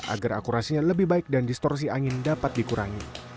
agar akurasinya lebih baik dan distorsi angin dapat dikurangi